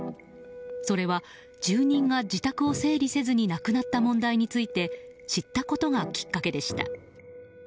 それは、住人が自宅を整理せずに亡くなった問題について知ったことがきっかけでした。